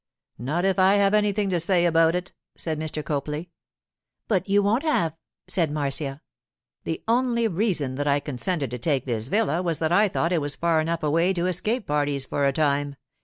'Not if I have anything to say about it,' said Mr. Copley. 'But you won't have,' said Marcia. 'The only reason that I consented to take this villa was that I thought it was far enough away to escape parties for a time.